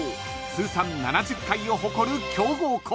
通算７０回を誇る強豪校］